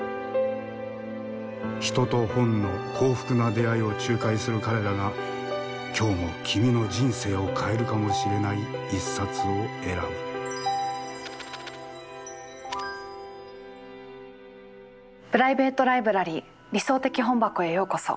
人と本の幸福な出会いを仲介する彼らが今日も君の人生を変えるかもしれない一冊を選ぶプライベート・ライブラリー「理想的本箱」へようこそ。